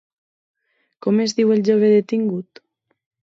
Com es diu el jove detingut?